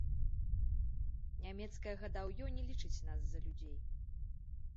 Нямецкае гадаўё не лічыць нас за людзей.